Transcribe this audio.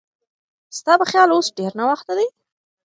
ستا په خیال اوس ډېر ناوخته دی؟